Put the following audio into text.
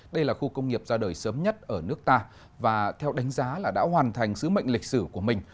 đây là khu công nghiệp ra đời sớm nhất ở nước ta và theo đánh giá là đã hoàn thành sứ mệnh lịch sử của mình